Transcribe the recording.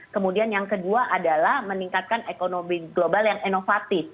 kemudian yang kedua adalah meningkatkan ekonomi global yang inovatif